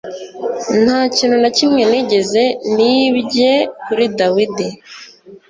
Nta kintu na kimwe nigeze nibye kuri David